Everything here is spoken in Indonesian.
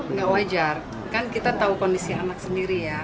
nggak wajar kan kita tahu kondisi anak sendiri ya